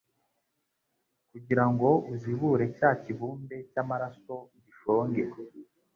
kugira ngo uzibure cya kibumbe cy'amaraso gishonge